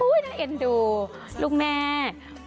น่าเอ็นดูลูกแม่